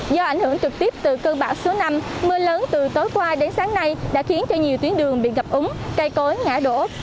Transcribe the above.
do ảnh hưởng trực tiếp từ cơn bão số năm mưa lớn từ tối qua đến sáng nay đã khiến cho nhiều tuyến đường bị ngập úng cây cối ngã đổ